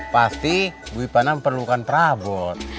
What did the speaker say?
pasti bu ipana membutuhkan prabut